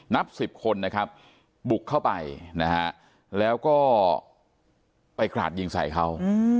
นับสิบคนบุกเข้าไปแล้วก็ไปกราดยิงสัยเขา